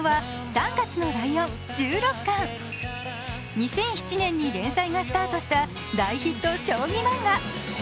２００７年に連載がスタートした大ヒット将棋漫画。